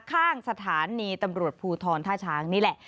ข้างสถานีตำรวจภูทรท่าช้างนี่แหละ